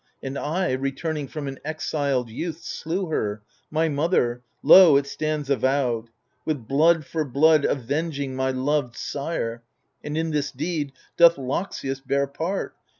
And I, returning from an exiled youth. Slew her, my mother — lo, it stands avowed ! With blood for blood avenging my loved sire ; And in this deed doth Loxias bear part.